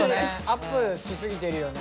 アップし過ぎてるよね。